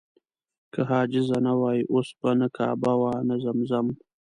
که حاجره نه وای اوس به نه کعبه وه نه زمزم.